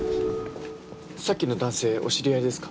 さっきの男性お知り合いですか？